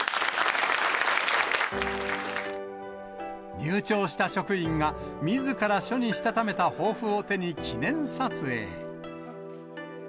入庁した職員がみずから書にしたためた抱負を手に、記念撮影。